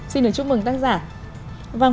xin được chúc mừng tác giả